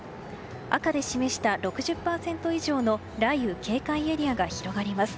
赤で示した６０％以上の雷雨警戒エリアが広がります。